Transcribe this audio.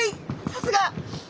さすが！